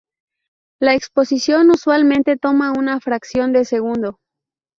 La exposición usualmente toma una fracción de segundo.